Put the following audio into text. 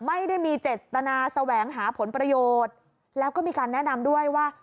ไม่ได้มีเจตนาแสวงหาผลประโยชน์แล้วก็มีการแนะนำด้วยว่า